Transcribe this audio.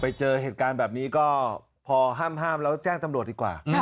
ไปเจอเหตุการณ์แบบนี้ก็พอห้ามแล้วแจ้งตำรวจดีกว่า